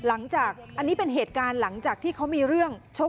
อันนี้เป็นเหตุการณ์หลังจากที่เขามีเรื่อง